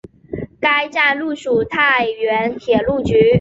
该站隶属太原铁路局。